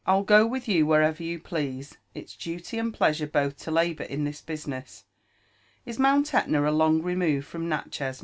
'' ru go with you wherever you please. . It's duty and pleasurebotb to Ubour in this business* Is Mount Etna a long; remova from Nat « ebea, Mr. Whitlaw